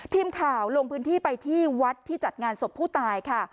ทีมข่าวลงพื้นที่ไปที่วัดที่จัดงานศพผู้ตายค่ะ